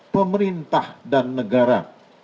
pemerintah dan negara